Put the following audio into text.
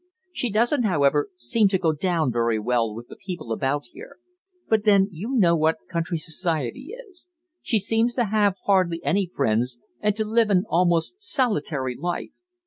She doesn't, however, seem to 'go down' very well with the people about here; but then you know what county society is. She seems to have hardly any friends, and to live an almost solitary life."